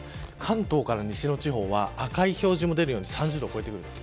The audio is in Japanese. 関東から西の地方は赤い表示も出るように３０度を超えている。